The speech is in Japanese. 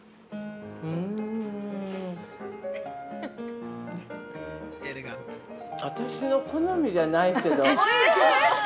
◆ふん私の好みじゃないけど。